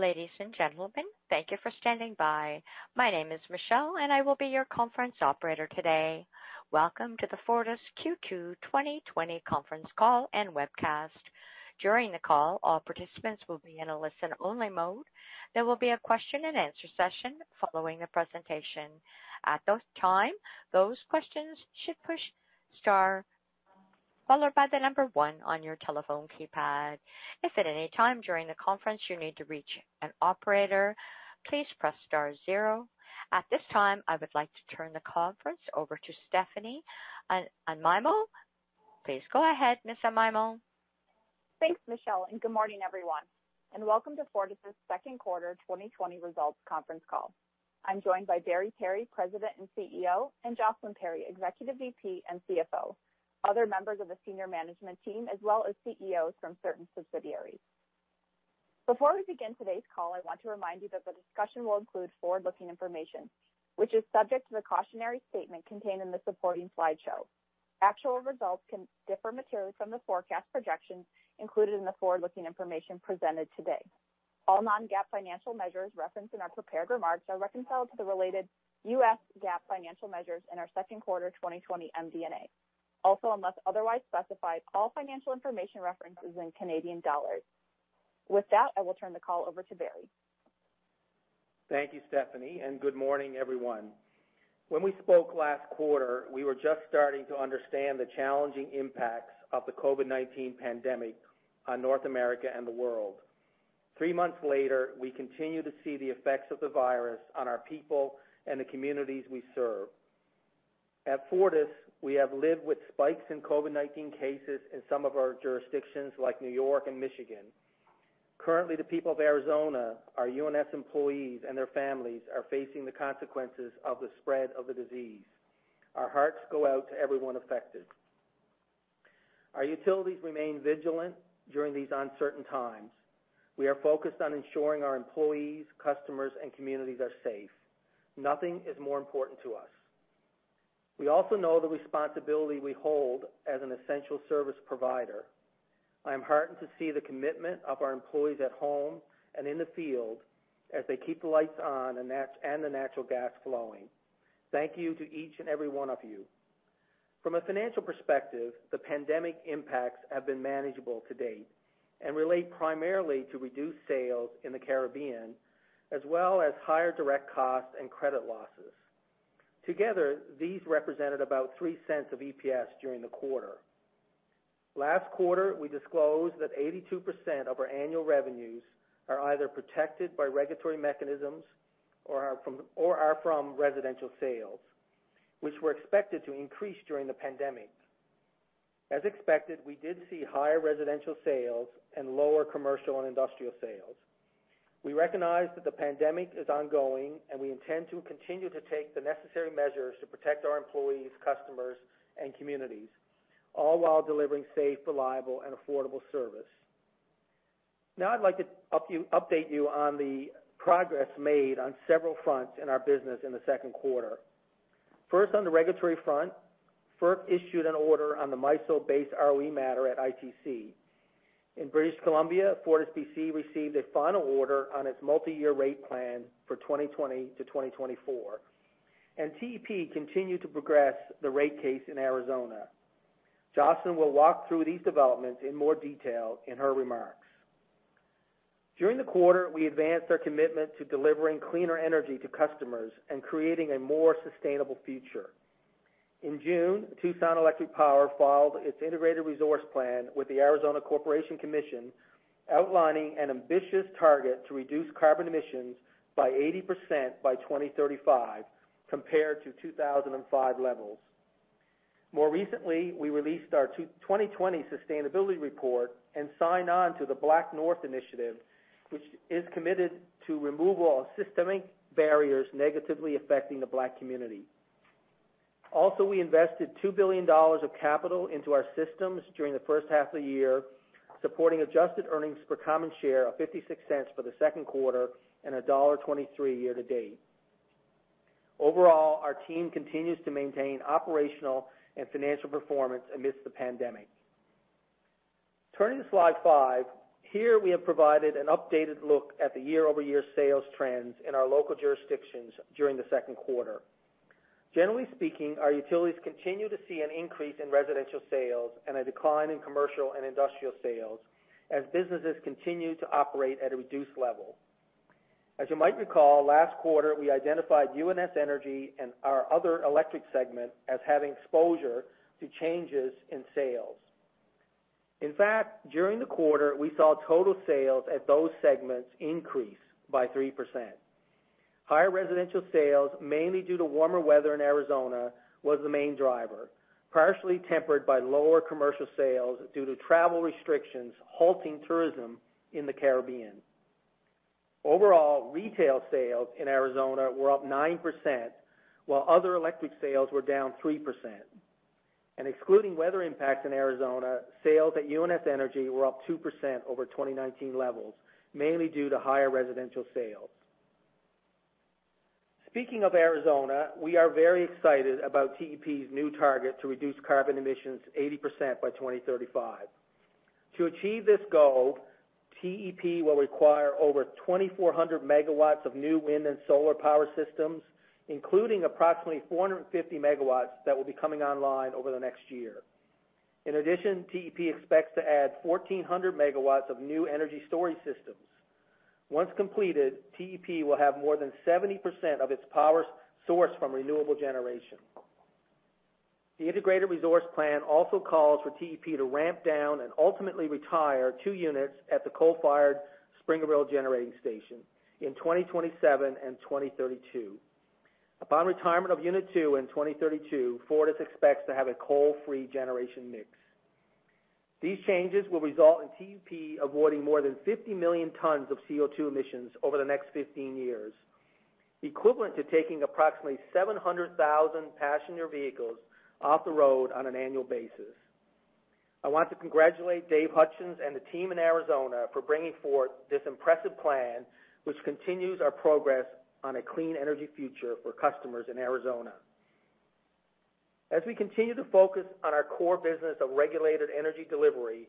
Ladies and gentlemen, thank you for standing by. My name is Michelle, and I will be your conference operator today. Welcome to the Fortis Q2 2020 conference call and webcast. During the call, all participants will be in a listen-only mode. There will be a question-and-answer session following the presentation. At that time, those questions should push star followed by the number one on your telephone keypad. If at any time during the conference you need to reach an operator, please press star zero. At this time, I would like to turn the conference over to Stephanie Amaimo. Please go ahead, Miss Amaimo. Thanks, Michelle, good morning, everyone, and welcome to Fortis's second quarter 2020 results conference call. I'm joined by Barry Perry, President and CEO, and Jocelyn Perry, Executive VP and CFO, other members of the senior management team, as well as CEOs from certain subsidiaries. Before we begin today's call, I want to remind you that the discussion will include forward-looking information, which is subject to the cautionary statement contained in the supporting slideshow. Actual results can differ materially from the forecast projections included in the forward-looking information presented today. All non-GAAP financial measures referenced in our prepared remarks are reconciled to the related US GAAP financial measures in our second quarter 2020 MD&A. Unless otherwise specified, all financial information references in Canadian dollars. With that, I will turn the call over to Barry. Thank you, Stephanie. Good morning, everyone. When we spoke last quarter, we were just starting to understand the challenging impacts of the COVID-19 pandemic on North America and the world. Three months later, we continue to see the effects of the virus on our people and the communities we serve. At Fortis, we have lived with spikes in COVID-19 cases in some of our jurisdictions, like New York and Michigan. Currently, the people of Arizona, our UNS employees and their families are facing the consequences of the spread of the disease. Our hearts go out to everyone affected. Our utilities remain vigilant during these uncertain times. We are focused on ensuring our employees, customers, and communities are safe. Nothing is more important to us. We also know the responsibility we hold as an essential service provider. I am heartened to see the commitment of our employees at home and in the field as they keep the lights on and the natural gas flowing. Thank you to each and every one of you. From a financial perspective, the pandemic impacts have been manageable to date and relate primarily to reduced sales in the Caribbean, as well as higher direct costs and credit losses. Together, these represented about 0.03 of EPS during the quarter. Last quarter, we disclosed that 82% of our annual revenues are either protected by regulatory mechanisms or are from residential sales, which were expected to increase during the pandemic. As expected, we did see higher residential sales and lower commercial and industrial sales. We recognize that the pandemic is ongoing, and we intend to continue to take the necessary measures to protect our employees, customers, and communities, all while delivering safe, reliable, and affordable service. I'd like to update you on the progress made on several fronts in our business in the second quarter. On the regulatory front, FERC issued an order on the MISO base ROE matter at ITC. In British Columbia, FortisBC received a final order on its Multi-Year Rate Plan for 2020 to 2024, and TEP continued to progress the rate case in Arizona. Jocelyn will walk through these developments in more detail in her remarks. During the quarter, we advanced our commitment to delivering cleaner energy to customers and creating a more sustainable future. In June, Tucson Electric Power filed its integrated resource plan with the Arizona Corporation Commission, outlining an ambitious target to reduce carbon emissions by 80% by 2035 compared to 2005 levels. More recently, we released our 2020 sustainability report and signed on to the BlackNorth Initiative, which is committed to remove all systemic barriers negatively affecting the Black community. We invested 2 billion dollars of capital into our systems during the first half of the year, supporting adjusted earnings per common share of 0.56 for the second quarter and dollar 1.23 year-to-date. Overall, our team continues to maintain operational and financial performance amidst the pandemic. Turning to Slide five. Here, we have provided an updated look at the year-over-year sales trends in our local jurisdictions during the second quarter. Generally speaking, our utilities continue to see an increase in residential sales and a decline in commercial and industrial sales as businesses continue to operate at a reduced level. As you might recall, last quarter, we identified UNS Energy and our other electric segment as having exposure to changes in sales. In fact, during the quarter, we saw total sales at those segments increase by 3%. Higher residential sales, mainly due to warmer weather in Arizona, was the main driver, partially tempered by lower commercial sales due to travel restrictions halting tourism in the Caribbean. Overall, retail sales in Arizona were up 9% while other electric sales were down 3%. Excluding weather impacts in Arizona, sales at UNS Energy were up 2% over 2019 levels, mainly due to higher residential sales. Speaking of Arizona, we are very excited about TEP's new target to reduce carbon emissions 80% by 2035. To achieve this goal, TEP will require over 2,400 MW of new wind and solar power systems, including approximately 450 MW that will be coming online over the next year. In addition, TEP expects to add 1,400 MW of new energy storage systems. Once completed, TEP will have more than 70% of its power sourced from renewable generation. The integrated resource plan also calls for TEP to ramp down and ultimately retire two units at the coal-fired Springerville Generating Station in 2027 and 2032. Upon retirement of unit two in 2032, Fortis expects to have a coal-free generation mix. These changes will result in TEP avoiding more than 50 million tons of CO2 emissions over the next 15 years, equivalent to taking approximately 700,000 passenger vehicles off the road on an annual basis. I want to congratulate David Hutchens and the team in Arizona for bringing forth this impressive plan, which continues our progress on a clean energy future for customers in Arizona. As we continue to focus on our core business of regulated energy delivery,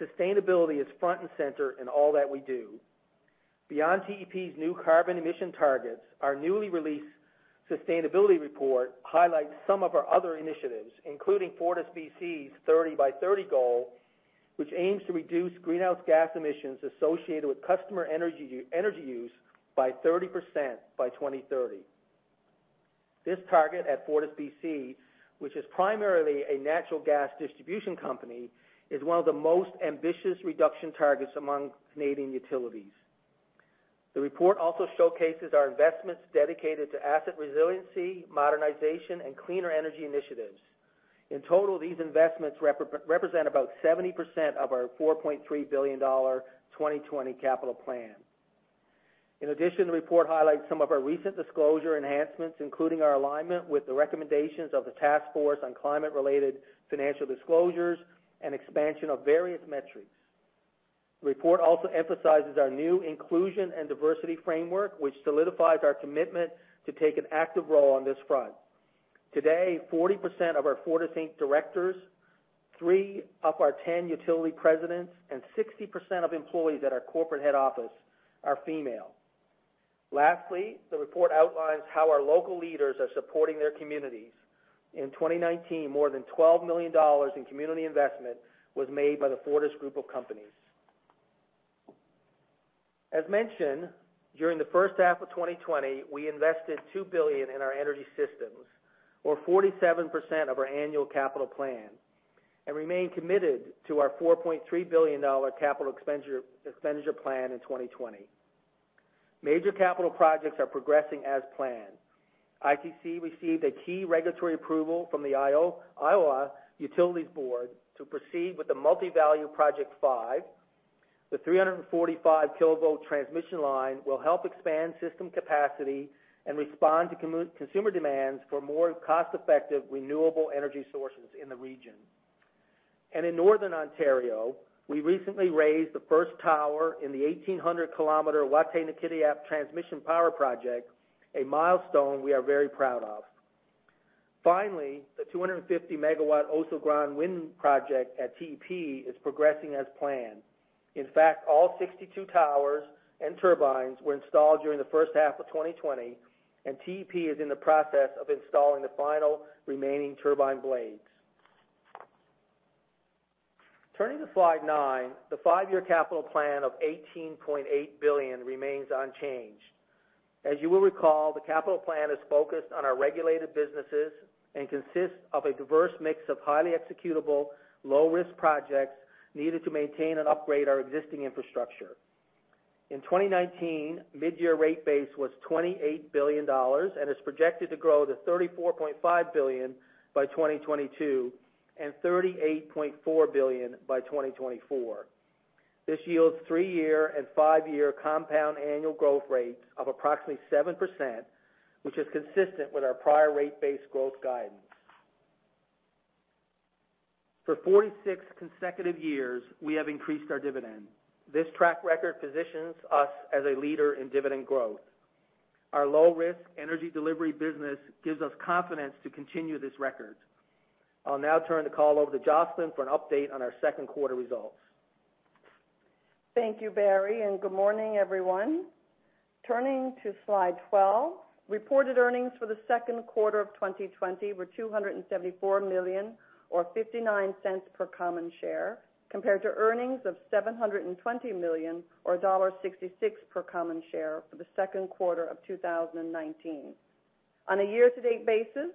sustainability is front and center in all that we do. Beyond TEP's new carbon emission targets, our newly released sustainability report highlights some of our other initiatives, including FortisBC's 30BY30 goal, which aims to reduce greenhouse gas emissions associated with customer energy use by 30% by 2030. This target at FortisBC, which is primarily a natural gas distribution company, is one of the most ambitious reduction targets among Canadian utilities. The report also showcases our investments dedicated to asset resiliency, modernization, and cleaner energy initiatives. In total, these investments represent about 70% of our 4.3 billion dollar 2020 capital plan. In addition, the report highlights some of our recent disclosure enhancements, including our alignment with the recommendations of the Task Force on Climate-related Financial Disclosures and expansion of various metrics. The report also emphasizes our new inclusion and diversity framework, which solidifies our commitment to take an active role on this front. Today, 40% of our Fortis Inc. directors, three of our 10 utility presidents, and 60% of employees at our corporate head office are female. Lastly, the report outlines how our local leaders are supporting their communities. In 2019, more than 12 million dollars in community investment was made by the Fortis group of companies. As mentioned, during the first half of 2020, we invested 2 billion in our energy systems, or 47% of our annual capital plan, and remain committed to our 4.3 billion dollar capital expenditure plan in 2020. Major capital projects are progressing as planned. ITC received a key regulatory approval from the Iowa Utilities Board to proceed with the Multi-Value Project 5. The 345-kilovolt transmission line will help expand system capacity and respond to consumer demands for more cost-effective renewable energy sources in the region. In northern Ontario, we recently raised the first tower in the 1,800-kilometer Wataynikaneyap transmission power project, a milestone we are very proud of. The 250-MW Oso Grande Wind project at TEP is progressing as planned. All 62 towers and turbines were installed during the first half of 2020, and TEP is in the process of installing the final remaining turbine blades. Turning to Slide nine, the five-year capital plan of 18.8 billion remains unchanged. As you will recall, the capital plan is focused on our regulated businesses and consists of a diverse mix of highly executable, low-risk projects needed to maintain and upgrade our existing infrastructure. In 2019, mid-year rate base was 28 billion dollars and is projected to grow to 34.5 billion by 2022 and 38.4 billion by 2024. This yields three-year and five-year compound annual growth rates of approximately 7%, which is consistent with our prior rate base growth guidance. For 46 consecutive years, we have increased our dividend. This track record positions us as a leader in dividend growth. Our low-risk energy delivery business gives us confidence to continue this record. I'll now turn the call over to Jocelyn for an update on our second quarter results. Thank you, Barry, and good morning, everyone. Turning to Slide 12, reported earnings for the second quarter of 2020 were 274 million or 0.59 per common share compared to earnings of 720 million or dollar 1.66 per common share for the second quarter of 2019. On a year-to-date basis,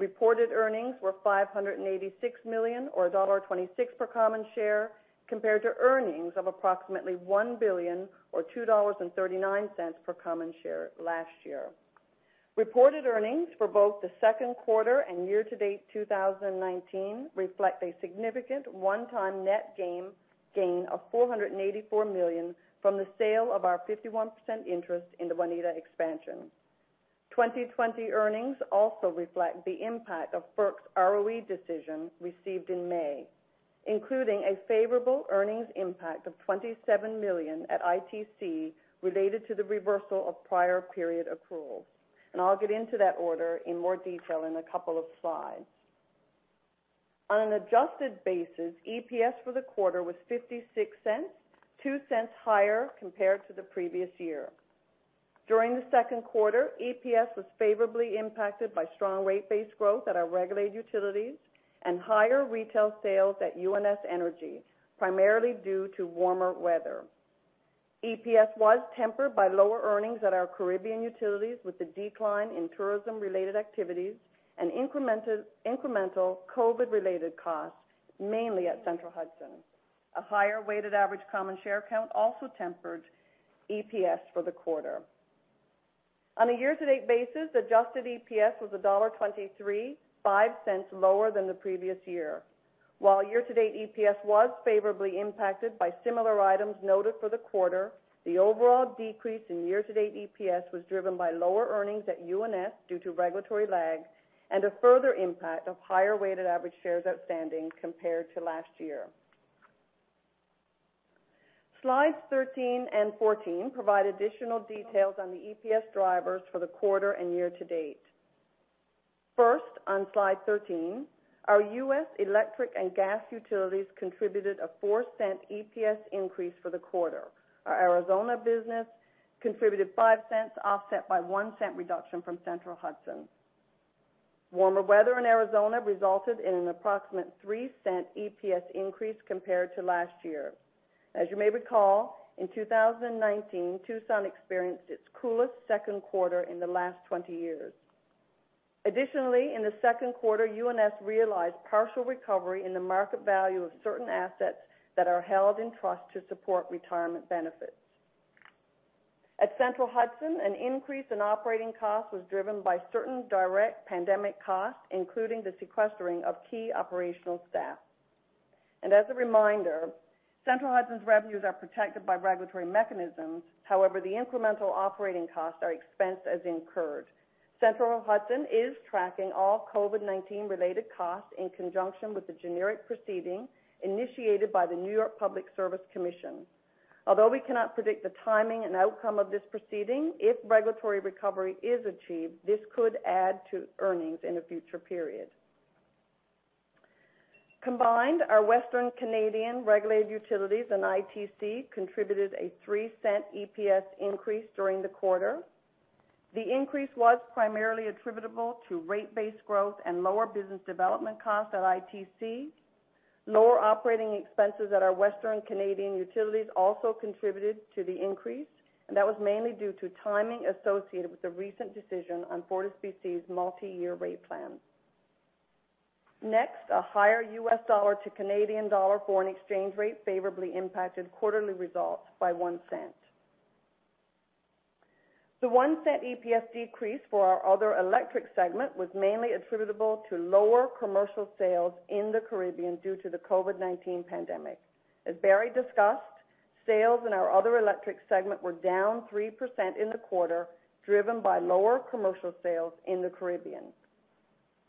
reported earnings were 586 million or dollar 1.26 per common share compared to earnings of approximately 1 billion or 2.39 dollars per common share last year. Reported earnings for both the second quarter and year-to-date 2019 reflect a significant one-time net gain of 484 million from the sale of our 51% interest in the Waneta expansion. 2020 earnings also reflect the impact of FERC's ROE decision received in May. Including a favorable earnings impact of 27 million at ITC related to the reversal of prior period accruals. I'll get into that order in more detail in a couple of slides. On an adjusted basis, EPS for the quarter was 0.56, 0.02 higher compared to the previous year. During the second quarter, EPS was favorably impacted by strong rate-based growth at our regulated utilities and higher retail sales at UNS Energy, primarily due to warmer weather. EPS was tempered by lower earnings at our Caribbean utilities with the decline in tourism-related activities and incremental COVID-related costs, mainly at Central Hudson. A higher weighted average common share count also tempered EPS for the quarter. On a year-to-date basis, adjusted EPS was dollar 1.23, 0.05 lower than the previous year. While year-to-date EPS was favorably impacted by similar items noted for the quarter, the overall decrease in year-to-date EPS was driven by lower earnings at UNS due to regulatory lag and a further impact of higher weighted average shares outstanding compared to last year. Slides 13 and 14 provide additional details on the EPS drivers for the quarter and year-to-date. On Slide 13, our U.S. electric and gas utilities contributed a 0.04 EPS increase for the quarter. Our Arizona business contributed 0.05, offset by a CAD 0.01 reduction from Central Hudson. Warmer weather in Arizona resulted in an approximate 0.03 EPS increase compared to last year. As you may recall, in 2019, Tucson experienced its coolest second quarter in the last 20 years. Additionally, in the second quarter, UNS realized partial recovery in the market value of certain assets that are held in trust to support retirement benefits. At Central Hudson, an increase in operating costs was driven by certain direct pandemic costs, including the sequestering of key operational staff. As a reminder, Central Hudson's revenues are protected by regulatory mechanisms. The incremental operating costs are expensed as incurred. Central Hudson is tracking all COVID-19-related costs in conjunction with the generic proceeding initiated by the New York Public Service Commission. Although we cannot predict the timing and outcome of this proceeding, if regulatory recovery is achieved, this could add to earnings in a future period. Combined, our Western Canadian regulated utilities and ITC contributed a 0.03 EPS increase during the quarter. The increase was primarily attributable to rate-based growth and lower business development costs at ITC. Lower operating expenses at our Western Canadian utilities also contributed to the increase, and that was mainly due to timing associated with the recent decision on FortisBC's Multi-Year Rate Plan. Next, a higher U.S. dollar to Canadian dollar foreign exchange rate favorably impacted quarterly results by 0.01. The 0.01 EPS decrease for our other electric segment was mainly attributable to lower commercial sales in the Caribbean due to the COVID-19 pandemic. As Barry discussed, sales in our other electric segment were down 3% in the quarter, driven by lower commercial sales in the Caribbean.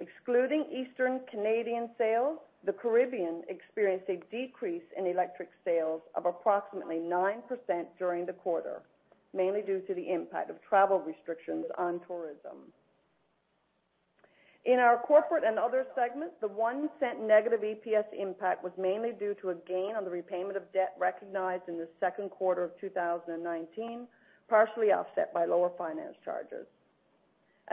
Excluding Eastern Canadian sales, the Caribbean experienced a decrease in electric sales of approximately 9% during the quarter, mainly due to the impact of travel restrictions on tourism. In our corporate and other segments, the 0.01 negative EPS impact was mainly due to a gain on the repayment of debt recognized in the second quarter of 2019, partially offset by lower finance charges.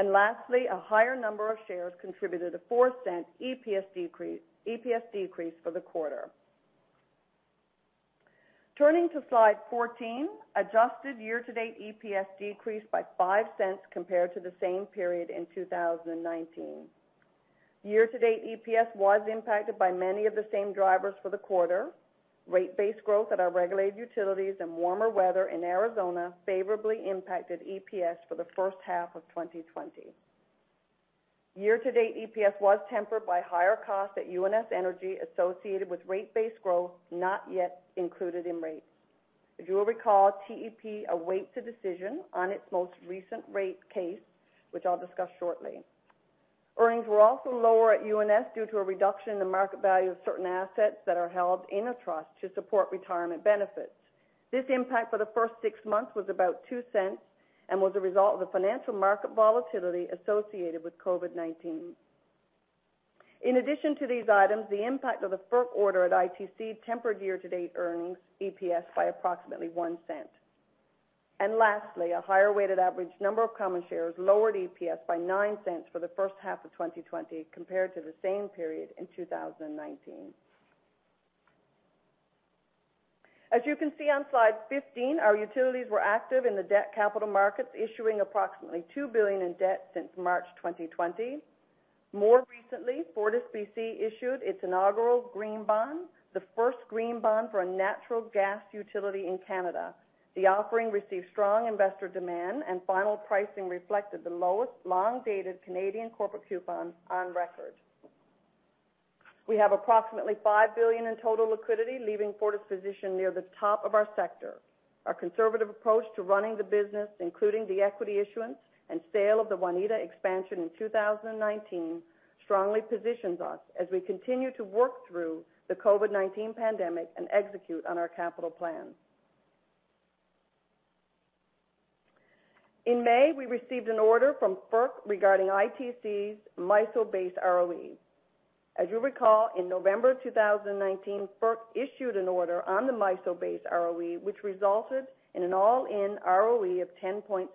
Lastly, a higher number of shares contributed a 0.04 EPS decrease for the quarter. Turning to Slide 14, adjusted year-to-date EPS decreased by 0.05 compared to the same period in 2019. Year-to-date EPS was impacted by many of the same drivers for the quarter. Rate-based growth at our regulated utilities and warmer weather in Arizona favorably impacted EPS for the first half of 2020. Year-to-date EPS was tempered by higher costs at UNS Energy associated with rate-based growth not yet included in rates. As you will recall, TEP awaits a decision on its most recent rate case, which I'll discuss shortly. Earnings were also lower at UNS due to a reduction in the market value of certain assets that are held in a trust to support retirement benefits. This impact for the first six months was about 0.02 and was a result of the financial market volatility associated with COVID-19. In addition to these items, the impact of the FERC order at ITC tempered year-to-date earnings EPS by approximately 0.01. Lastly, a higher weighted average number of common shares lowered EPS by 0.09 for the first half of 2020 compared to the same period in 2019. As you can see on Slide 15, our utilities were active in the debt capital markets, issuing approximately 2 billion in debt since March 2020. More recently, FortisBC issued its inaugural green bond, the first green bond for a natural gas utility in Canada. The offering received strong investor demand, final pricing reflected the lowest long-dated Canadian corporate coupon on record. We have approximately 5 billion in total liquidity, leaving Fortis positioned near the top of our sector. Our conservative approach to running the business, including the equity issuance and sale of the Waneta expansion in 2019, strongly positions us as we continue to work through the COVID-19 pandemic and execute on our capital plan. In May, we received an order from FERC regarding ITC's MISO base ROE. As you recall, in November 2019, FERC issued an order on the MISO base ROE, which resulted in an all-in ROE of 10.63%,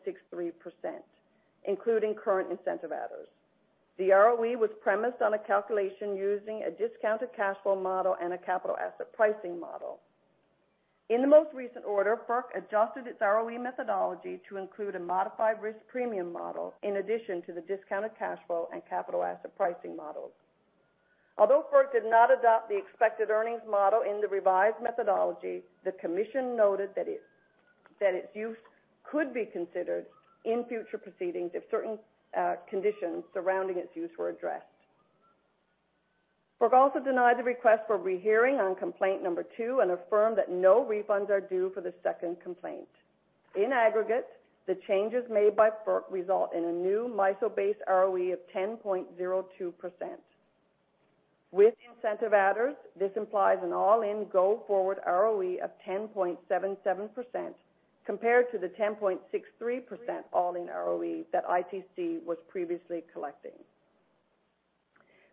including current incentive adders. The ROE was premised on a calculation using a discounted cash flow model and a capital asset pricing model. In the most recent order, FERC adjusted its ROE methodology to include a modified risk premium model in addition to the discounted cash flow and capital asset pricing models. Although FERC did not adopt the expected earnings model in the revised methodology, the commission noted that its use could be considered in future proceedings if certain conditions surrounding its use were addressed. FERC also denied the request for rehearing on complaint number two and affirmed that no refunds are due for the second complaint. In aggregate, the changes made by FERC result in a new MISO base ROE of 10.02%. With incentive adders, this implies an all-in go-forward ROE of 10.77% compared to the 10.63% all-in ROE that ITC was previously collecting.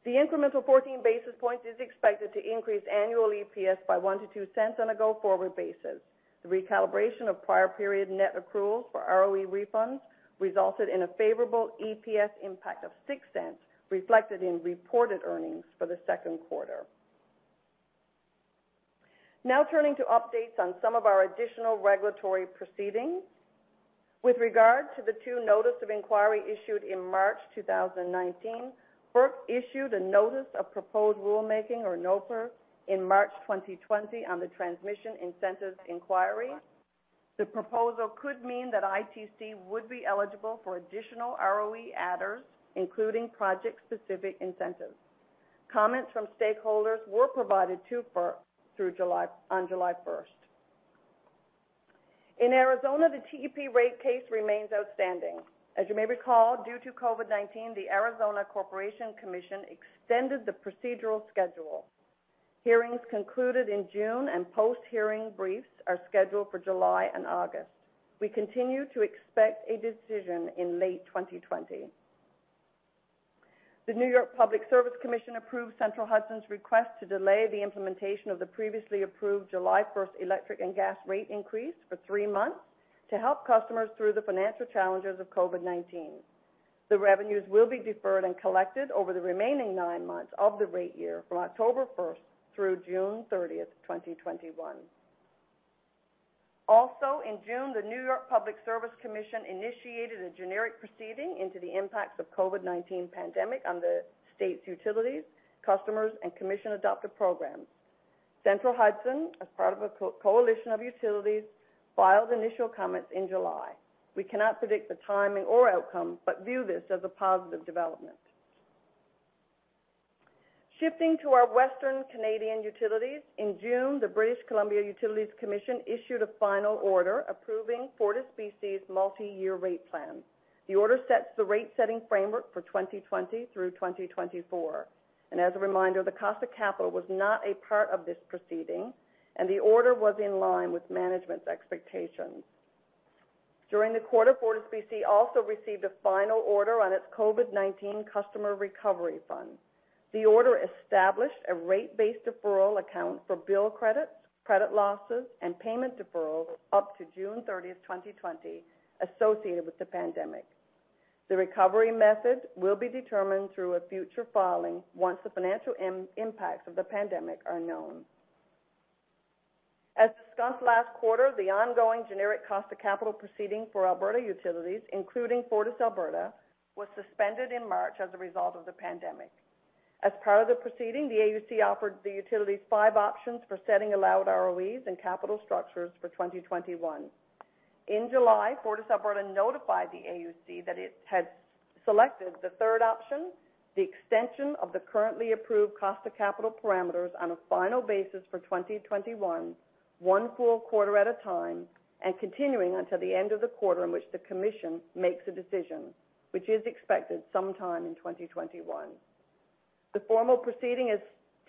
The incremental 14 basis points is expected to increase annual EPS by 0.01-0.02 on a go-forward basis. The recalibration of prior period net accruals for ROE refunds resulted in a favorable EPS impact of 0.06 reflected in reported earnings for the second quarter. Turning to updates on some of our additional regulatory proceedings. With regard to the two notice of inquiry issued in March 2019, FERC issued a notice of proposed rulemaking, or NOPR, in March 2020 on the transmission incentives inquiry. The proposal could mean that ITC would be eligible for additional ROE adders, including project-specific incentives. Comments from stakeholders were provided to FERC on July 1st. In Arizona, the TEP rate case remains outstanding. As you may recall, due to COVID-19, the Arizona Corporation Commission extended the procedural schedule. Hearings concluded in June and post-hearing briefs are scheduled for July and August. We continue to expect a decision in late 2020. The New York Public Service Commission approved Central Hudson's request to delay the implementation of the previously approved July 1st electric and gas rate increase for three months to help customers through the financial challenges of COVID-19. The revenues will be deferred and collected over the remaining nine months of the rate year from October 1st through June 30th, 2021. In June, the New York Public Service Commission initiated a generic proceeding into the impacts of COVID-19 pandemic on the state's utilities, customers, and commission-adopted programs. Central Hudson, as part of a coalition of utilities, filed initial comments in July. We cannot predict the timing or outcome but view this as a positive development. Shifting to our western Canadian utilities. In June, the British Columbia Utilities Commission issued a final order approving FortisBC's Multi-Year Rate Plan. The order sets the rate-setting framework for 2020 through 2024. As a reminder, the cost of capital was not a part of this proceeding, and the order was in line with management's expectations. During the quarter, FortisBC also received a final order on its COVID-19 customer recovery fund. The order established a rate-based deferral account for bill credits, credit losses, and payment deferrals up to June 30th, 2020, associated with the pandemic. The recovery method will be determined through a future filing once the financial impacts of the pandemic are known. As discussed last quarter, the ongoing generic cost of capital proceeding for Alberta utilities, including FortisAlberta, was suspended in March as a result of the pandemic. As part of the proceeding, the AUC offered the utilities five options for setting allowed ROEs and capital structures for 2021. In July, FortisAlberta notified the AUC that it had selected the third option, the extension of the currently approved cost of capital parameters on a final basis for 2021, one full quarter at a time, and continuing until the end of the quarter in which the commission makes a decision, which is expected sometime in 2021. The formal proceeding is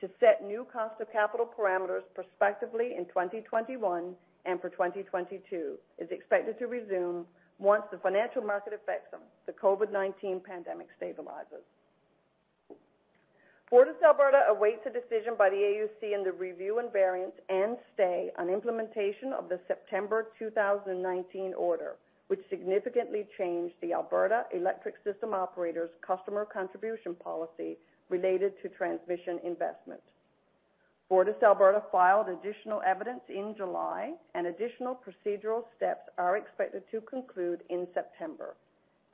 to set new cost of capital parameters prospectively in 2021 and for 2022. It's expected to resume once the financial market effects from the COVID-19 pandemic stabilizes. FortisAlberta awaits a decision by the AUC in the review and variance and stay on implementation of the September 2019 order, which significantly changed the Alberta Electric System Operator's customer contribution policy related to transmission investment. FortisAlberta filed additional evidence in July. Additional procedural steps are expected to conclude in September.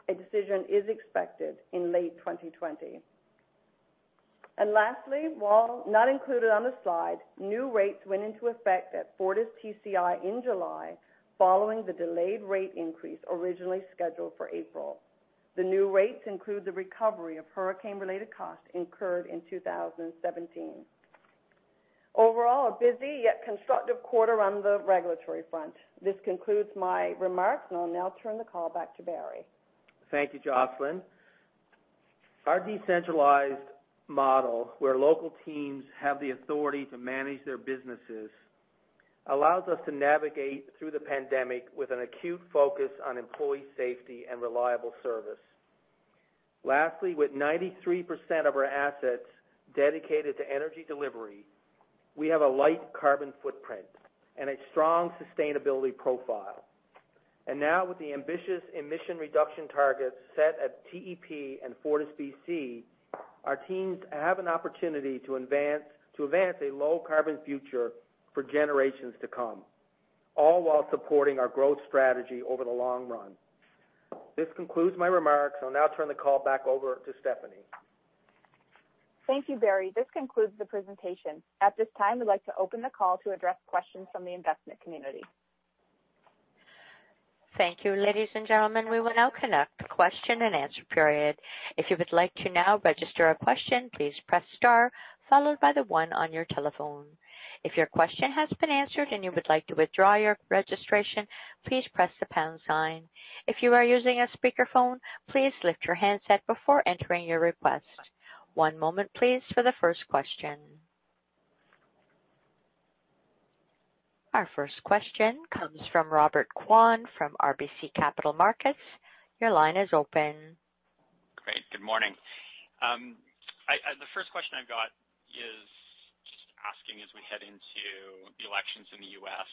A decision is expected in late 2020. Lastly, while not included on the slide, new rates went into effect at FortisTCI in July following the delayed rate increase originally scheduled for April. The new rates include the recovery of hurricane-related costs incurred in 2017. Overall, a busy yet constructive quarter on the regulatory front. This concludes my remarks, and I'll now turn the call back to Barry. Thank you, Jocelyn. Our decentralized model, where local teams have the authority to manage their businesses, allows us to navigate through the pandemic with an acute focus on employee safety and reliable service. Lastly, with 93% of our assets dedicated to energy delivery, we have a light carbon footprint and a strong sustainability profile. Now with the ambitious emission reduction targets set at TEP and FortisBC, our teams have an opportunity to advance a low-carbon future for generations to come, all while supporting our growth strategy over the long run. This concludes my remarks. I'll now turn the call back over to Stephanie. Thank you, Barry. This concludes the presentation. At this time, we'd like to open the call to address questions from the investment community. Thank you, ladies and gentlemen. We will now conduct the question-and-answer period. If you would like to now register a question, please press star followed by the one on your telephone. If your question has been answered and you would like to withdraw your registration, please press the pound sign. If you are using a speakerphone, please lift your handset before entering your request. One moment, please, for the first question. Our first question comes from Robert Kwan from RBC Capital Markets. Your line is open. Great. Good morning. The first question I've got is just asking, as we head into the elections in the U.S.,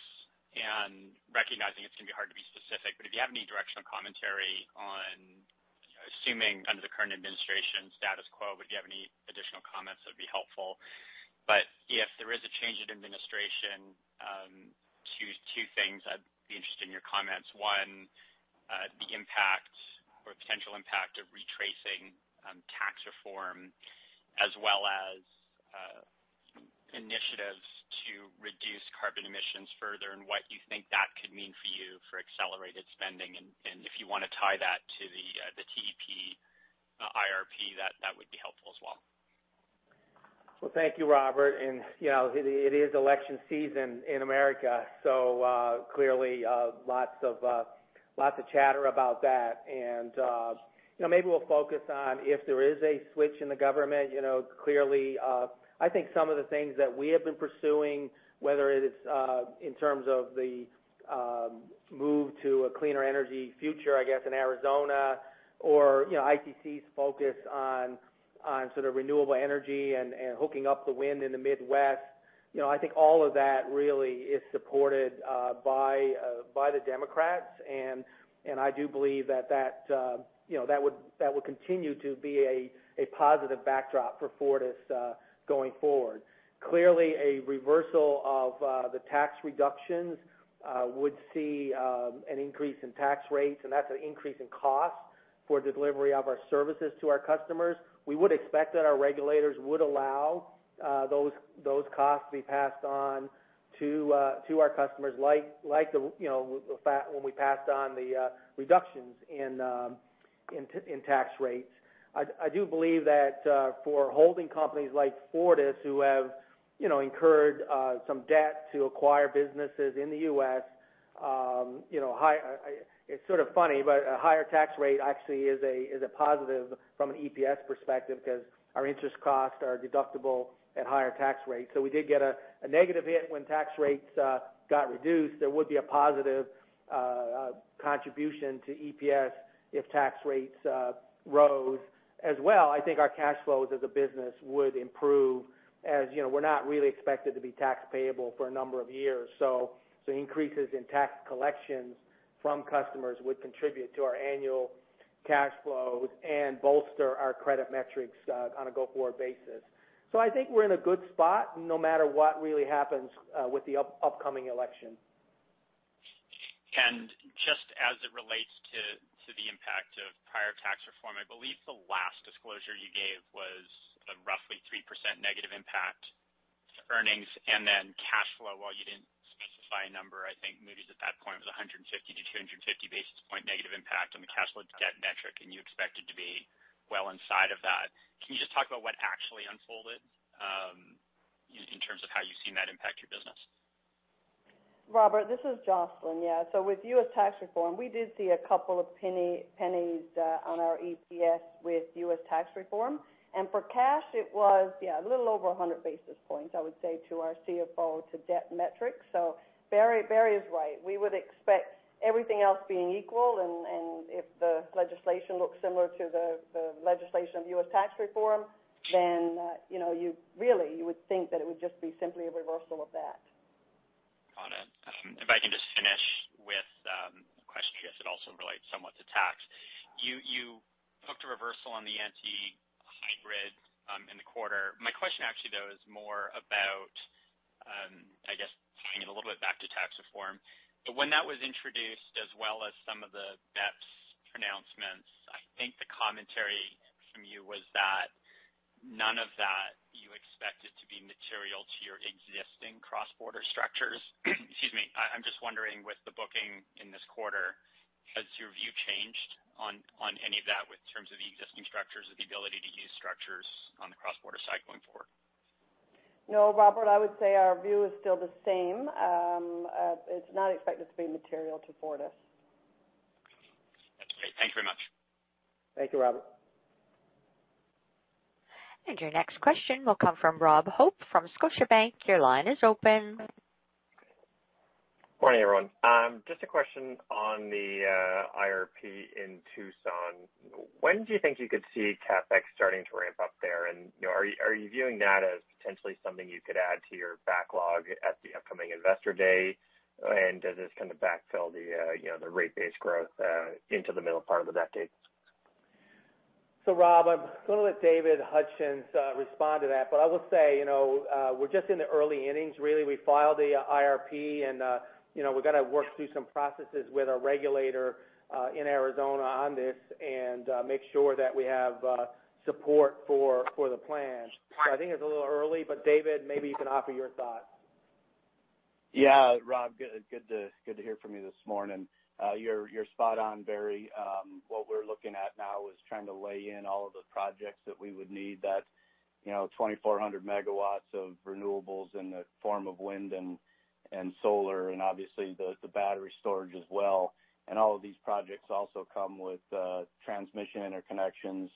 and recognizing it's going to be hard to be specific, but if you have any directional commentary on, assuming under the current administration, status quo, but if you have any additional comments, that'd be helpful. If there is a change in administration, two things I'd be interested in your comments. One, the impact or potential impact of retracing tax reform, as well as initiatives to reduce carbon emissions further and what you think that could mean for you for accelerated spending, and if you want to tie that to the TEP IRP, that would be helpful as well. Well, thank you, Robert. It is election season in America, so clearly lots of chatter about that. Maybe we'll focus on if there is a switch in the government. Clearly, I think some of the things that we have been pursuing, whether it's in terms of the move to a cleaner energy future, I guess, in Arizona, or ITC's focus on sort of renewable energy and hooking up the wind in the Midwest. I think all of that really is supported by the Democrats, and I do believe that that would continue to be a positive backdrop for Fortis going forward. Clearly, a reversal of the tax reductions would see an increase in tax rates, and that's an increase in cost for delivery of our services to our customers. We would expect that our regulators would allow those costs to be passed on to our customers like when we passed on the reductions in tax rates. I do believe that for holding companies like Fortis, who have incurred some debt to acquire businesses in the U.S., it's sort of funny, but a higher tax rate actually is a positive from an EPS perspective because our interest costs are deductible at higher tax rates. We did get a negative hit when tax rates got reduced. There would be a positive contribution to EPS if tax rates rose. I think our cash flows as a business would improve. As you know, we're not really expected to be tax payable for a number of years, so increases in tax collections from customers would contribute to our annual cash flows and bolster our credit metrics on a go-forward basis. I think we're in a good spot no matter what really happens with the upcoming election. Just as it relates to the impact of prior tax reform, I believe the last disclosure you gave was a roughly 3% negative impact to earnings, then cash flow, while you didn't specify a number, I think maybe at that point it was 150 basis point-250 basis point negative impact on the CFO-to-debt metric, and you expect it to be well inside of that. Can you just talk about what actually unfolded in terms of how you've seen that impact your business? Robert, this is Jocelyn. Yeah. With U.S. tax reform, we did see a couple of pennies on our EPS with U.S. tax reform. For cash, it was, yeah, a little over 100 basis points, I would say, to our CFO-to-debt metrics. Barry is right. We would expect everything else being equal, and if the legislation looks similar to the legislation of U.S. tax reform, really, you would think that it would just be simply a reversal of that. Got it. If I can just finish with a question, as it also relates somewhat to tax. You booked a reversal on the anti-hybrid in the quarter. My question actually, though, is more about, I guess, tying it a little bit back to tax reform. When that was introduced, as well as some of the BEPS pronouncements, I think the commentary from you was that. To be material to your existing cross-border structures. Excuse me. I'm just wondering, with the booking in this quarter, has your view changed on any of that with terms of the existing structures or the ability to use structures on the cross-border side going forward? No, Robert, I would say our view is still the same. It's not expected to be material to Fortis. That's great. Thank you very much. Thank you, Robert. Your next question will come from Rob Hope from Scotiabank. Your line is open. Morning, everyone. Just a question on the IRP in Tucson. When do you think you could see CapEx starting to ramp up there? Are you viewing that as potentially something you could add to your backlog at the upcoming Investor Day? Does this kind of backfill the rate base growth into the middle part of the decade? Rob, I'm going to let David Hutchens respond to that. I will say, we're just in the early innings, really. We filed the IRP, and we've got to work through some processes with our regulator in Arizona on this and make sure that we have support for the plan. I think it's a little early, but David, maybe you can offer your thoughts. Rob, good to hear from you this morning. You're spot on, Barry. What we're looking at now is trying to lay in all of the projects that we would need that 2,400 MW of renewables in the form of wind and solar and obviously the battery storage as well. All of these projects also come with transmission interconnections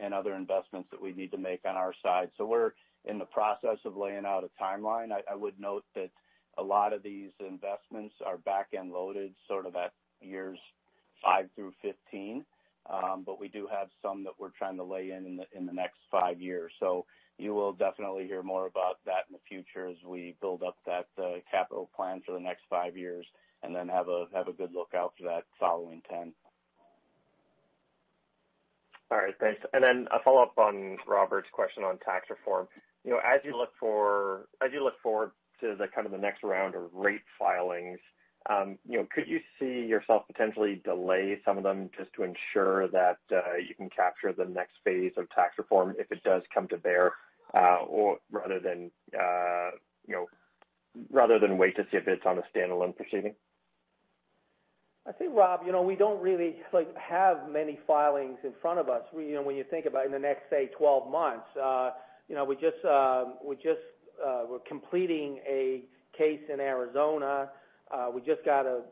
and other investments that we need to make on our side. We're in the process of laying out a timeline. I would note that a lot of these investments are back-end loaded, sort of at years five through 15. We do have some that we're trying to lay in the next five years. You will definitely hear more about that in the future as we build up that capital plan for the next five years and then have a good lookout for that following 10. All right, thanks. A follow-up on Robert's question on tax reform. As you look forward to the next round of rate filings, could you see yourself potentially delay some of them just to ensure that you can capture the next phase of tax reform if it does come to bear rather than wait to see if it's on a standalone proceeding? I think, Rob, we don't really have many filings in front of us when you think about in the next, say, 12 months. We're completing a case in Arizona. We just got a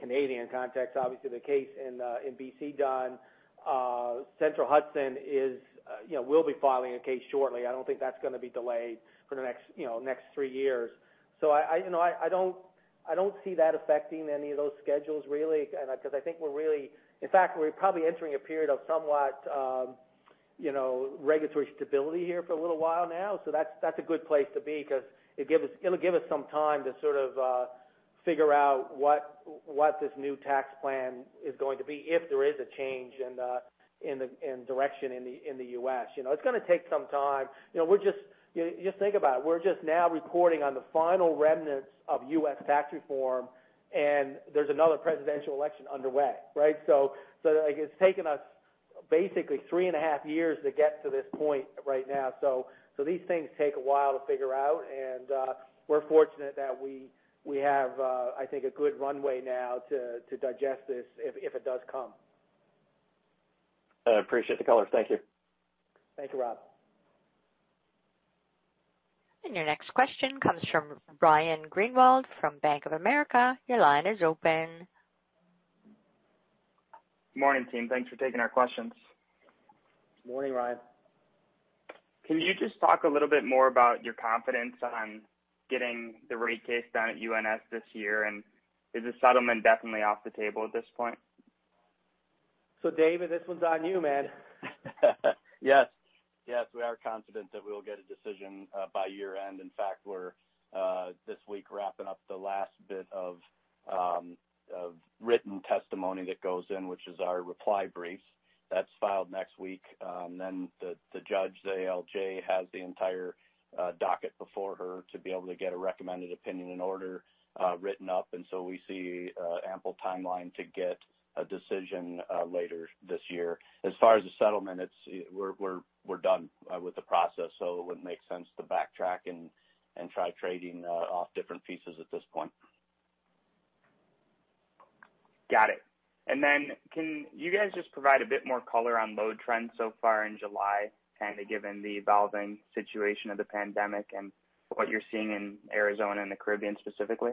Canadian context, obviously, the case in BC done. Central Hudson will be filing a case shortly. I don't think that's going to be delayed for the next three years. I don't see that affecting any of those schedules, really, because I think in fact, we're probably entering a period of somewhat regulatory stability here for a little while now. That's a good place to be because it'll give us some time to sort of figure out what this new tax plan is going to be, if there is a change in direction in the U.S. It's going to take some time. Just think about it. We're just now reporting on the final remnants of U.S. tax reform, and there's another presidential election underway, right? It's taken us basically three and a half years to get to this point right now. These things take a while to figure out, and we're fortunate that we have, I think, a good runway now to digest this if it does come. I appreciate the color. Thank you. Thank you, Rob. Your next question comes from Ryan Greenwald from Bank of America. Your line is open. Morning, team. Thanks for taking our questions. Morning, Ryan. Can you just talk a little bit more about your confidence on getting the rate case done at UNS this year? Is the settlement definitely off the table at this point? David, this one's on you, man. Yes. We are confident that we will get a decision by year-end. In fact, we're this week wrapping up the last bit of written testimony that goes in, which is our reply brief that's filed next week. The judge, the ALJ, has the entire docket before her to be able to get a recommended opinion and order written up. So we see ample timeline to get a decision later this year. As far as the settlement, we're done with the process, so it wouldn't make sense to backtrack and try trading off different pieces at this point. Got it. Can you guys just provide a bit more color on load trends so far in July? Kind of given the evolving situation of the pandemic and what you're seeing in Arizona and the Caribbean specifically.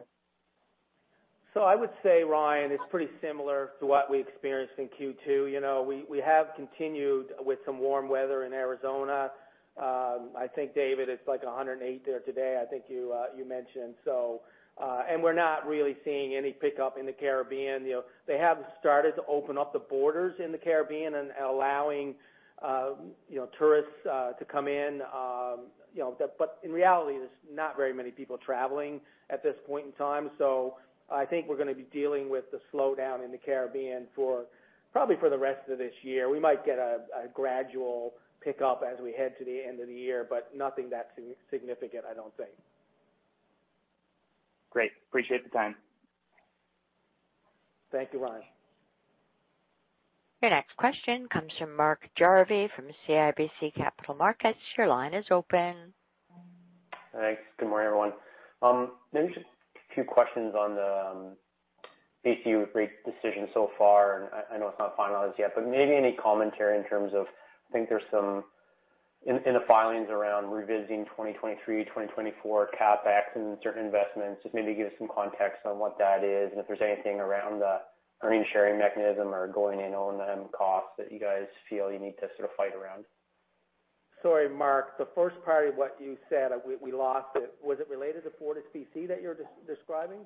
I would say, Ryan, it's pretty similar to what we experienced in Q2. We have continued with some warm weather in Arizona. I think, David, it's like 108 there today, I think you mentioned. We're not really seeing any pickup in the Caribbean. They have started to open up the borders in the Caribbean and allowing tourists to come in. In reality, there's not very many people traveling at this point in time. I think we're going to be dealing with the slowdown in the Caribbean probably for the rest of this year. We might get a gradual pickup as we head to the end of the year, but nothing that significant, I don't think. Great. Appreciate the time. Thank you, Ryan. Your next question comes from Mark Jarvi from CIBC Capital Markets. Your line is open. Thanks. Good morning, everyone. Maybe just a few questions on the BC rate decision so far, and I know it's not finalized yet, but maybe any commentary in terms of, I think there's some in the filings around revising 2023, 2024 CapEx and certain investments. Just maybe give some context on what that is and if there's anything around the earnings sharing mechanism or going in on costs that you guys feel you need to sort of fight around. Sorry, Mark. The first part of what you said, we lost it. Was it related to FortisBC that you're describing?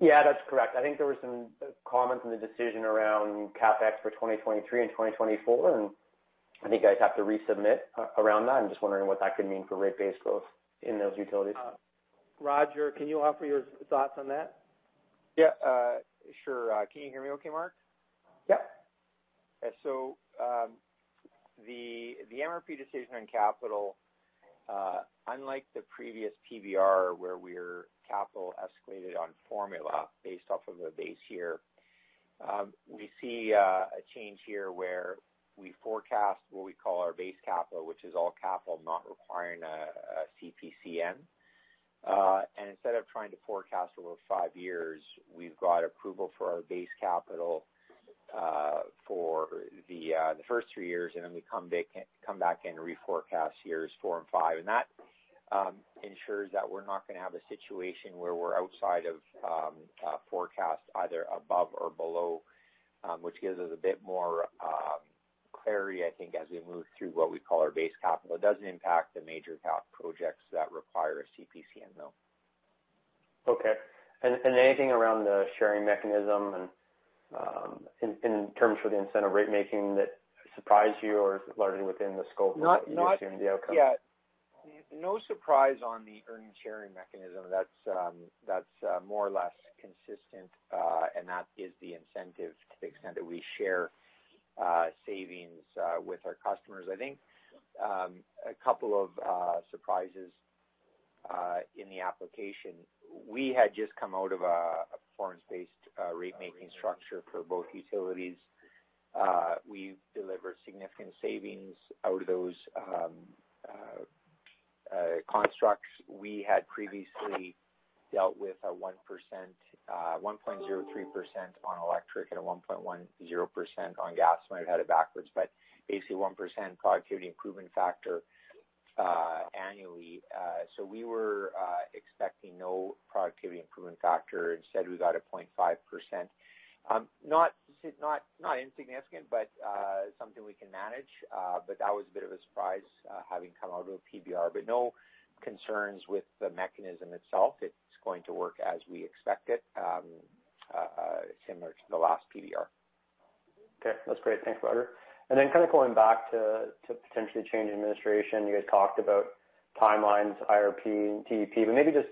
Yeah, that's correct. I think there were some comments in the decision around CapEx for 2023 and 2024, and I think you guys have to resubmit around that. I'm just wondering what that could mean for rate base growth in those utilities? Roger, can you offer your thoughts on that? Yeah, sure. Can you hear me okay, Mark? Yep. The MRP decision on capital, unlike the previous PBR where capital escalated on formula based off of a base year, we see a change here where we forecast what we call our base capital, which is all capital not requiring a CPCN. Instead of trying to forecast over five years, we've got approval for our base capital for the first three years, and then we come back in to reforecast years four and five, and that ensures that we're not going to have a situation where we're outside of forecast either above or below, which gives us a bit more clarity, I think, as we move through what we call our base capital. It doesn't impact the major cap projects that require a CPCN though. Okay. Anything around the sharing mechanism in terms for the incentive rate-making that surprised you or is it largely within the scope of what you assumed the outcome-? Yeah. No surprise on the earned sharing mechanism. That's more or less consistent. That is the incentive to the extent that we share savings with our customers. I think a couple of surprises in the application. We had just come out of a performance-based rate-making structure for both utilities. We've delivered significant savings out of those constructs. We had previously dealt with a 1.03% on electric and a 1.10% on gas. Might have had it backwards, basically 1% productivity improvement factor annually. We were expecting no productivity improvement factor. Instead, we got a 0.5%. Not insignificant, something we can manage. That was a bit of a surprise, having come out of a PBR. No concerns with the mechanism itself. It's going to work as we expect it, similar to the last PBR. Okay. That's great. Thanks, Roger. Kind of going back to potentially change in administration, you guys talked about timelines, IRP and TEP, but maybe just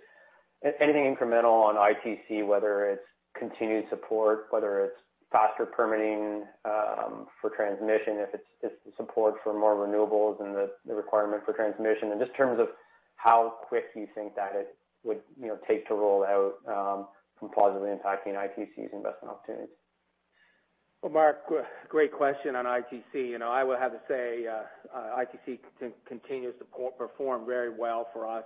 anything incremental on ITC, whether it's continued support, whether it's faster permitting for transmission, if it's support for more renewables and the requirement for transmission, and just in terms of how quick you think that it would take to roll out from positively impacting ITC's investment opportunities. Well, Mark, great question on ITC. I would have to say ITC continues to perform very well for us.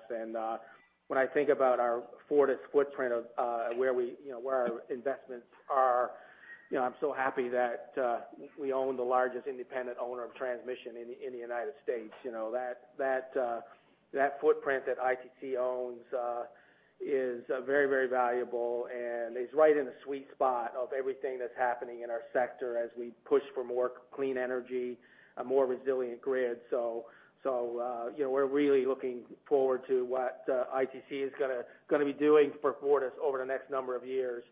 When I think about our Fortis footprint of where our investments are, I'm so happy that we own the largest independent owner of transmission in the U.S. That footprint that ITC owns is very, very valuable and is right in the sweet spot of everything that's happening in our sector as we push for more clean energy, a more resilient grid. We're really looking forward to what ITC is going to be doing for Fortis over the next number of years.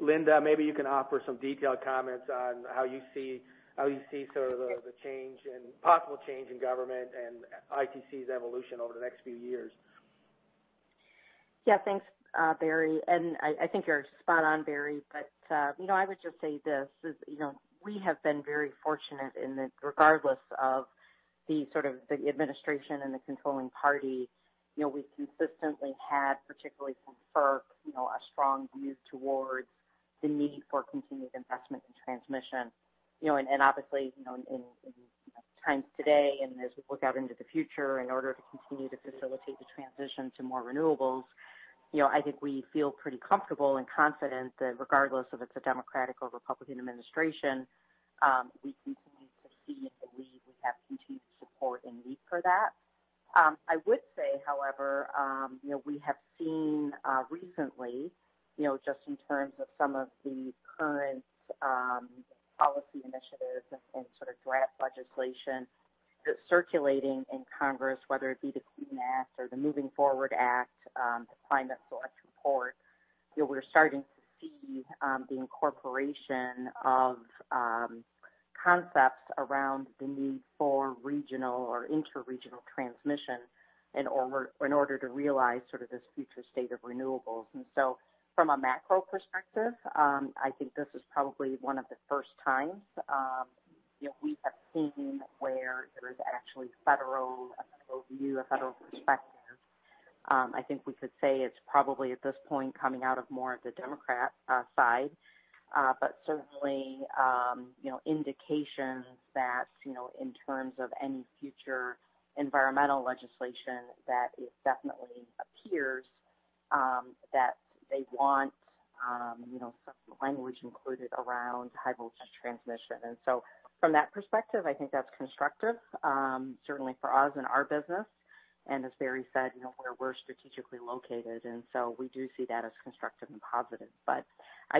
Linda, maybe you can offer some detailed comments on how you see sort of the possible change in government and ITC's evolution over the next few years. Yeah, thanks, Barry. I think you're spot on, Barry. I would just say this. We have been very fortunate in that regardless of the sort of the administration and the controlling party, we've consistently had, particularly from FERC, a strong view towards the need for continued investment in transmission. Obviously, in times today and as we look out into the future, in order to continue to facilitate the transition to more renewables, I think we feel pretty comfortable and confident that regardless of if it's a Democratic or Republican administration, we continue to see and believe we have continued support and need for that. I would say, however, we have seen recently, just in terms of some of the current policy initiatives and sort of draft legislation circulating in Congress, whether it be the Clean Act or the Moving Forward Act, the Climate Solutions report, we're starting to see the incorporation of concepts around the need for regional or interregional transmission in order to realize sort of this future state of renewables. From a macro perspective, I think this is probably one of the first times we have seen where there is actually a federal view, a federal perspective. I think we could say it's probably at this point coming out of more of the Democrat side. Certainly, indications that in terms of any future environmental legislation, that it definitely appears that they want some language included around high-voltage transmission. From that perspective, I think that's constructive, certainly for us and our business. As Barry said, we're strategically located, and so we do see that as constructive and positive. I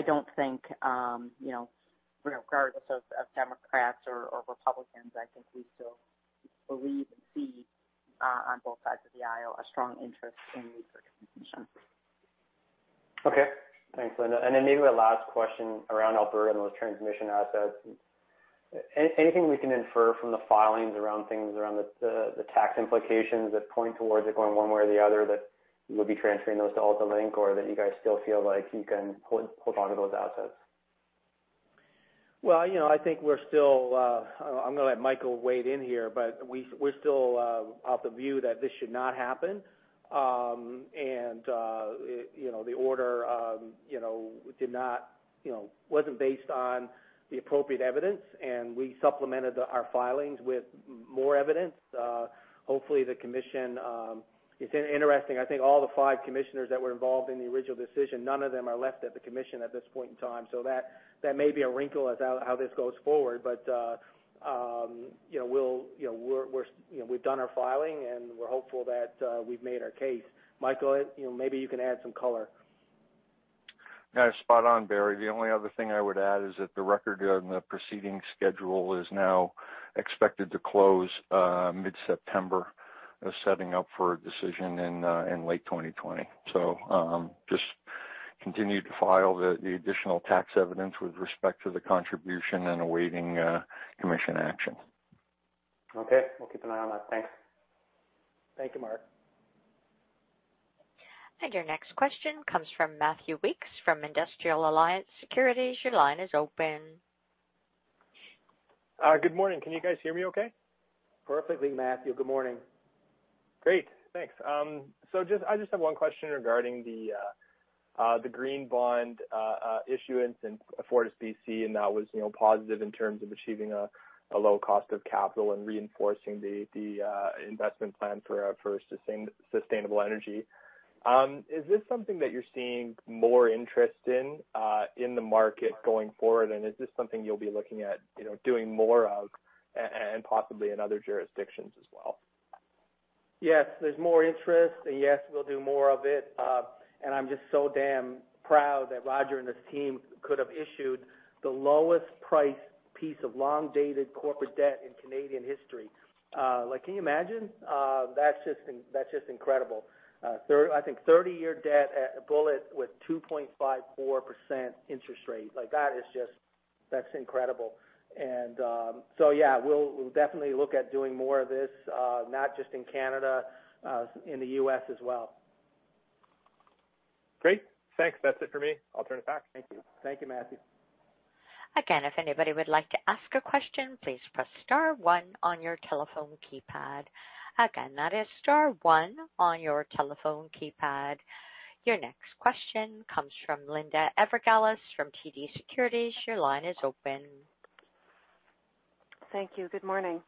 don't think, regardless of Democrats or Republicans, I think we still believe and see on both sides of the aisle a strong interest in research and transmission. Okay. Thanks, Linda. Then maybe my last question around Alberta and those transmission assets. Anything we can infer from the filings around things around the tax implications that point towards it going one way or the other, that you would be transferring those to AltaLink? Or that you guys still feel like you can hold onto those assets? Well, I think I'm going to let Michael weigh in here, but we're still of the view that this should not happen. The order wasn't based on the appropriate evidence, and we supplemented our filings with more evidence. Hopefully, the Commission. It's interesting, I think all the five commissioners that were involved in the original decision, none of them are left at the Commission at this point in time. That may be a wrinkle as how this goes forward. We've done our filing, and we're hopeful that we've made our case. Michael, maybe you can add some color. No, spot on, Barry. The only other thing I would add is that the record on the proceeding schedule is now expected to close mid-September. They're setting up for a decision in late 2020. Just continued to file the additional tax evidence with respect to the contribution and awaiting commission action. Okay. We'll keep an eye on that. Thanks. Thank you, Mark. Your next question comes from Matthew Weekes from Industrial Alliance Securities. Your line is open. Good morning. Can you guys hear me okay? Perfectly, Matthew. Good morning. Great. Thanks. I just have one question regarding the green bond issuance in FortisBC, that was positive in terms of achieving a low cost of capital and reinforcing the investment plan for sustainable energy. Is this something that you're seeing more interest in the market going forward? Is this something you'll be looking at doing more of, and possibly in other jurisdictions as well? Yes, there's more interest, and yes, we'll do more of it. I'm just so damn proud that Roger and his team could have issued the lowest price piece of long-dated corporate debt in Canadian history. Can you imagine? That's just incredible. I think 30-year debt at bullet with 2.54% interest rate. That's incredible. So yeah, we'll definitely look at doing more of this, not just in Canada, in the U.S. as well. Great. Thanks. That's it for me. I'll turn it back. Thank you, Matthew. Again, if anybody would like to ask a question, please press star one on your telephone keypad. Again, that is star one on your telephone keypad. Your next question comes from Linda Ezergailis from TD Securities. Your line is open. Thank you. Good morning.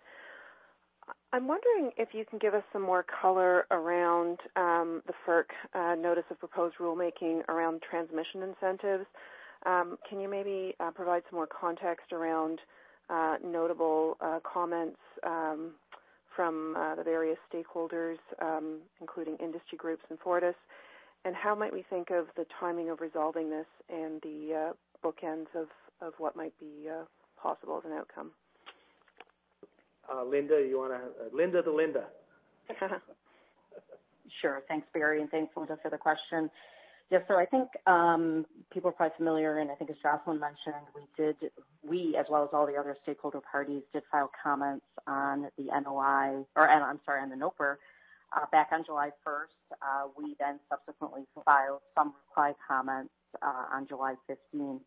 I am wondering if you can give us some more color around the FERC Notice of Proposed Rulemaking around transmission incentives. Can you maybe provide some more context around notable comments from the various stakeholders, including industry groups and Fortis? How might we think of the timing of resolving this and the bookends of what might be possible as an outcome? Linda to Linda. Sure. Thanks, Barry, and thanks, Linda, for the question. Yeah, I think people are quite familiar, and I think as Jocelyn mentioned, we as well as all the other stakeholder parties, did file comments on the NOI or I'm sorry, on the NOPR back on July 1st. We subsequently filed some reply comments on July 15th.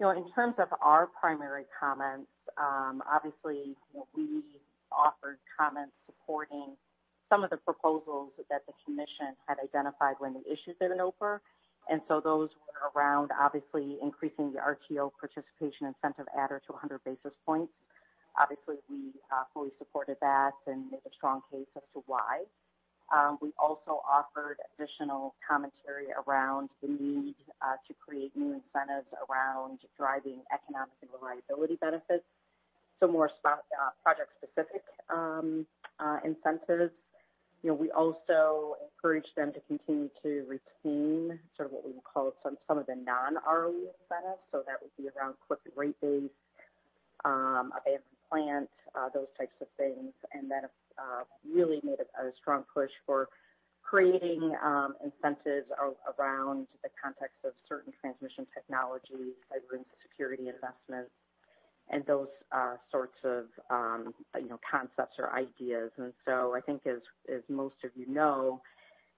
In terms of our primary comments, obviously we offered comments supporting some of the proposals that the commission had identified when they issued the NOPR. Those were around, obviously, increasing the RTO participation incentive adder to 100 basis points. Obviously, we fully supported that and made a strong case as to why. We also offered additional commentary around the need to create new incentives around driving economic and reliability benefits. More project-specific incentives. We also encouraged them to continue to retain what we would call some of the non-ROE incentives. That would be around CWIP in rate base, available plant, those types of things. Really made a strong push for creating incentives around the context of certain transmission technologies, like grid security investments and those sorts of concepts or ideas. I think as most of you know,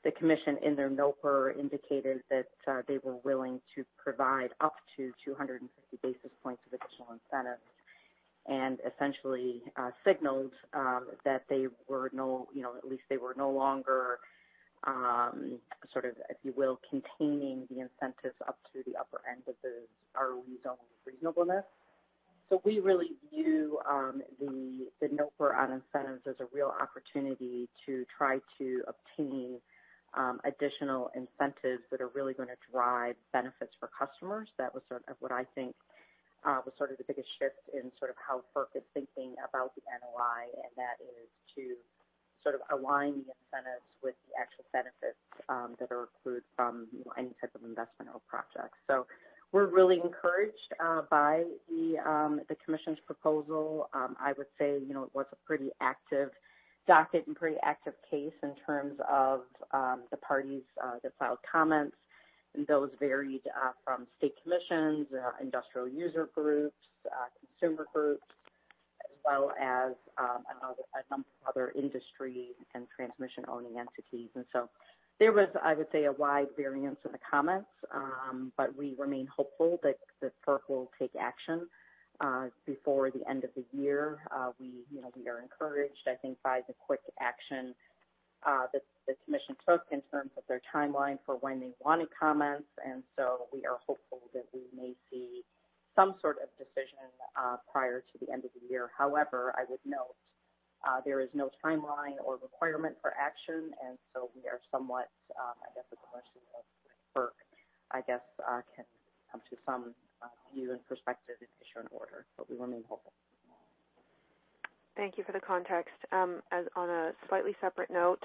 the commission in their NOPR indicated that they were willing to provide up to 250 basis points of additional incentives. Essentially signaled that they were no longer, if you will, containing the incentives up to the upper end of the ROE zone reasonableness. We really view the NOPR on incentives as a real opportunity to try to obtain additional incentives that are really going to drive benefits for customers. That was what I think was the biggest shift in how FERC is thinking about the NOI, and that is to align the incentives with the actual benefits that are accrued from any type of investment or project. We're really encouraged by the commission's proposal. I would say, it was a pretty active docket and pretty active case in terms of the parties that filed comments, and those varied from state commissions, industrial user groups, consumer groups, as well as a number of other industry and transmission-owning entities. There was, I would say, a wide variance in the comments, but we remain hopeful that FERC will take action before the end of the year. We are encouraged, I think, by the quick action that the commission took in terms of their timeline for when they wanted comments, and so we are hopeful that we may see some sort of decision prior to the end of the year. However, I would note, there is no timeline or requirement for action, and so we are somewhat, I guess, at the mercy of FERC, I guess, can come to some view and perspective and issue an order. We remain hopeful. Thank you for the context. On a slightly separate note,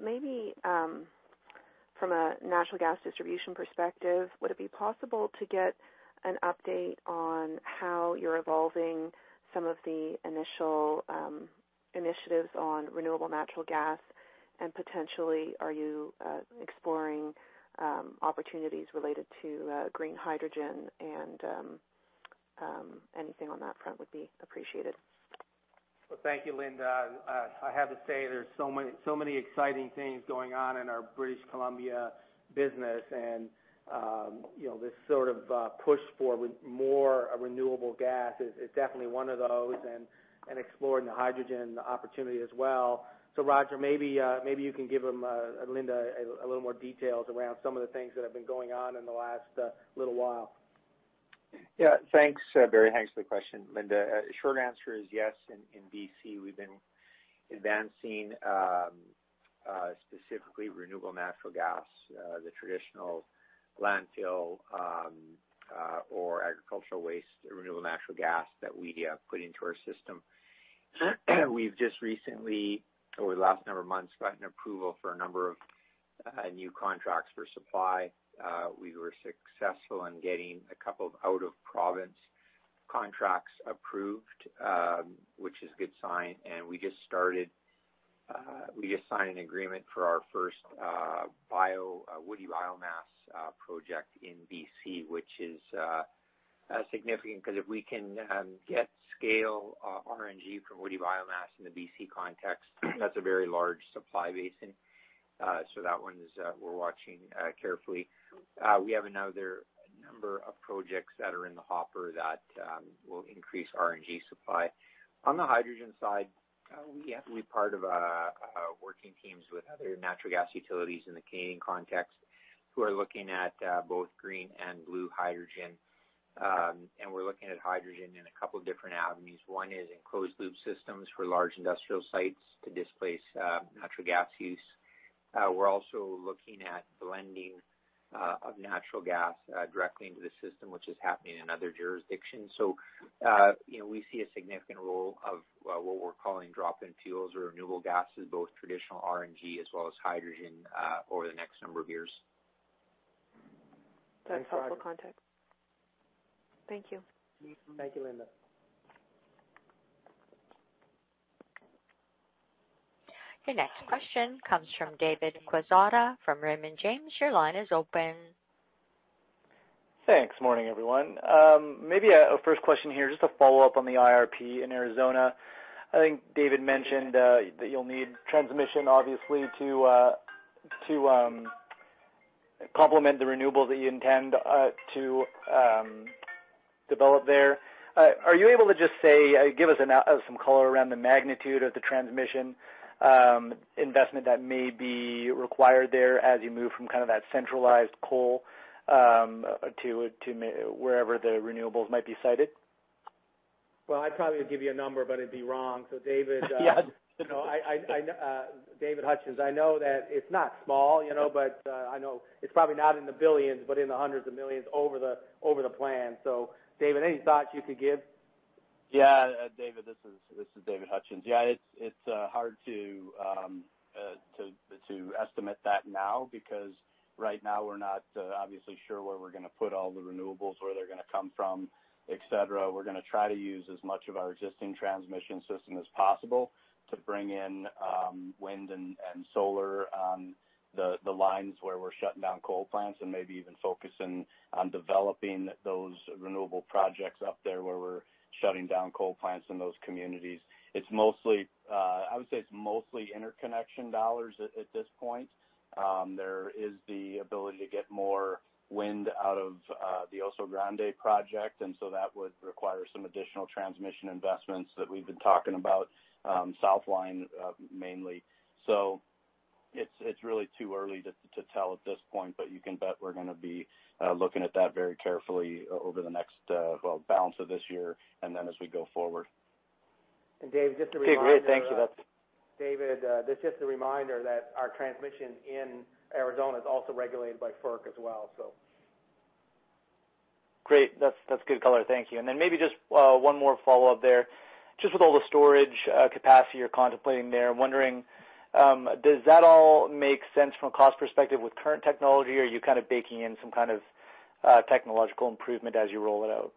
maybe from a natural gas distribution perspective, would it be possible to get an update on how you're evolving some of the initial initiatives on renewable natural gas? Potentially, are you exploring opportunities related to green hydrogen? Anything on that front would be appreciated. Well, thank you, Linda. I have to say, there's so many exciting things going on in our British Columbia business. This sort of push for more renewable gas is definitely one of those, and exploring the hydrogen opportunity as well. Roger, maybe you can give Linda a little more details around some of the things that have been going on in the last little while. Thanks, Barry. Thanks for the question, Linda. Short answer is yes. In BC, we've been advancing specifically renewable natural gas, the traditional landfill or agricultural waste renewable natural gas that we put into our system. We've just recently, over the last number of months, gotten approval for a number of new contracts for supply. We were successful in getting a couple of out-of-province contracts approved, which is a good sign. We just signed an agreement for our first woody biomass project in BC, which is significant, because if we can get scale RNG from woody biomass in the BC context, that's a very large supply basin. That one we're watching carefully. We have another number of projects that are in the hopper that will increase RNG supply. On the hydrogen side, we actively part of working teams with other natural gas utilities in the Canadian context, who are looking at both green and blue hydrogen. We're looking at hydrogen in a couple of different avenues. One is in closed-loop systems for large industrial sites to displace natural gas use. We're also looking at blending of natural gas directly into the system, which is happening in other jurisdictions. We see a significant role of what we're calling drop-in fuels or renewable gases, both traditional RNG as well as hydrogen, over the next number of years. Thanks, Roger. That's helpful context. Thank you. Thank you, Linda. Your next question comes from David Quezada from Raymond James. Your line is open. Thanks. Morning, everyone. Maybe a first question here, just a follow-up on the IRP in Arizona. I think David mentioned that you'll need transmission, obviously, to complement the renewable that you intend to develop there. Are you able to just give us some color around the magnitude of the transmission investment that may be required there as you move from that centralized coal to wherever the renewables might be sited? Well, I'd probably give you a number, but it'd be wrong. Yeah. David Hutchens, I know that it's not small. I know it's probably not in the billions, but in the CAD hundreds of millions over the plan. David, any thoughts you could give? David, this is David Hutchens. It's hard to estimate that now, because right now we're not obviously sure where we're going to put all the renewables, where they're going to come from, et cetera. We're going to try to use as much of our existing transmission system as possible to bring in wind and solar on the lines where we're shutting down coal plants, and maybe even focus in on developing those renewable projects up there where we're shutting down coal plants in those communities. I would say it's mostly interconnection dollars at this point. There is the ability to get more wind out of the Oso Grande project. That would require some additional transmission investments that we've been talking about, Southline mainly. It's really too early to tell at this point, but you can bet we're going to be looking at that very carefully over the next balance of this year and then as we go forward. Dave, just a reminder. Great. Thank you. David, this is just a reminder that our transmission in Arizona is also regulated by FERC as well. Great. That's good color. Thank you. Then maybe just one more follow-up there. Just with all the storage capacity you're contemplating there, I'm wondering, does that all make sense from a cost perspective with current technology, or are you kind of baking in some kind of technological improvement as you roll it out?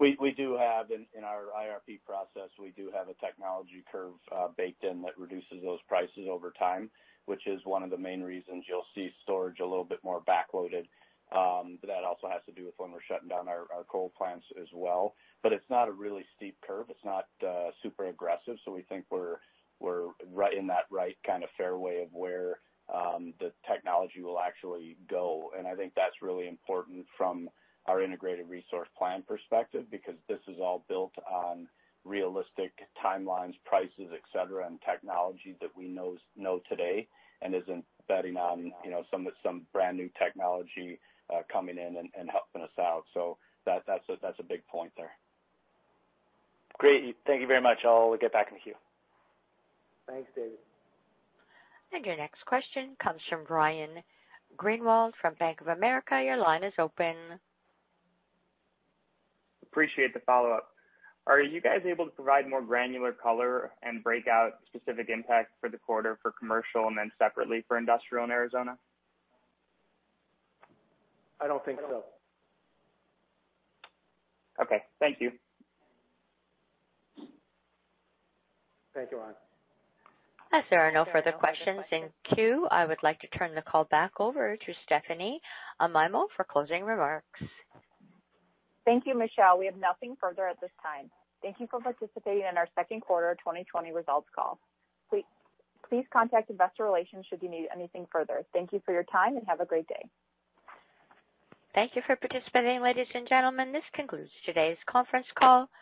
We do have in our IRP process, we do have a technology curve baked in that reduces those prices over time, which is one of the main reasons you'll see storage a little bit more back-loaded. That also has to do with when we're shutting down our coal plants as well. It's not a really steep curve. It's not super aggressive. We think we're in that right kind of fairway of where the technology will actually go. I think that's really important from our integrated resource plan perspective, because this is all built on realistic timelines, prices, et cetera, and technology that we know today and isn't betting on some brand-new technology coming in and helping us out. That's a big point there. Great. Thank you very much. I'll get back in the queue. Thanks, David. Your next question comes from Ryan Greenwald from Bank of America. Your line is open. Appreciate the follow-up. Are you guys able to provide more granular color and break out specific impacts for the quarter for commercial and then separately for industrial in Arizona? I don't think so. Okay. Thank you. Thank you, Ryan. As there are no further questions in queue, I would like to turn the call back over to Stephanie Amaimo for closing remarks. Thank you, Michelle. We have nothing further at this time. Thank you for participating in our second quarter 2020 results call. Please contact investor relations should you need anything further. Thank you for your time, and have a great day. Thank you for participating, ladies and gentlemen. This concludes today's conference call.